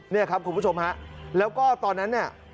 เนี่ยครับคุณผู้ชมฮะแล้วก็ตอนนั้นเนี่ย